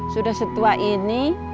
sudah setua ini